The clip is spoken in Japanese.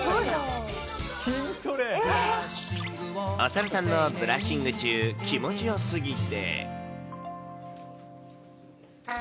お猿さんのブラッシング中、気持ちよすぎて。